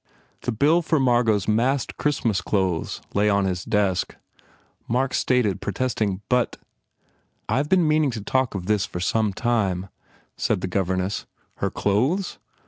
The bill for Margot s massed Christmas clothes lay on his desk. Mark started, protesting, "But" "I ve been meaning to talk of this for some time," said the governess. "Her clothes?"